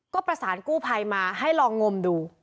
ก็ประสานกู้ภัยมาให้ลองงมดู